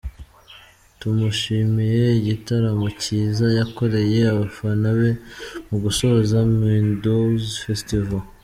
Tumushimiye igitaramo cyiza yakoreye abafana be mu gusoza Meadows Festival.